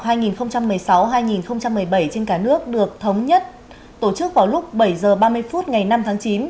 lễ khai giảng năm học hai nghìn một mươi sáu hai nghìn một mươi bảy trên cả nước được thống nhất tổ chức vào lúc bảy h ba mươi phút ngày năm tháng chín